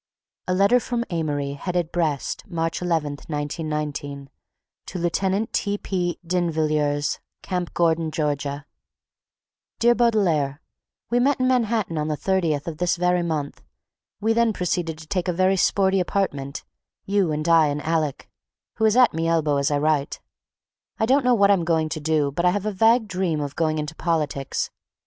A letter from Amory, headed "Brest, March 11th, 1919," to Lieutenant T. P. D'Invilliers, Camp Gordon, Ga. DEAR BAUDELAIRE:— We meet in Manhattan on the 30th of this very mo.; we then proceed to take a very sporty apartment, you and I and Alec, who is at me elbow as I write. I don't know what I'm going to do but I have a vague dream of going into politics.